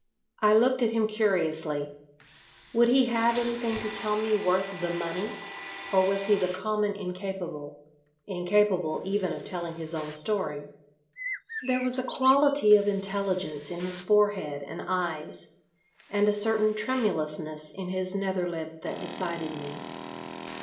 I looked at him curiously. Would he have anything to tell me worth the money, or was he the common incapable—incapable even of telling his own story? There was a quality of intelligence in his forehead and eyes, and a certain tremulousness in his nether lip that decided me.